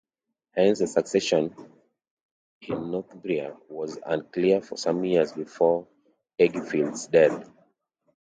Hence the succession in Northumbria was unclear for some years before Ecgfrith's death.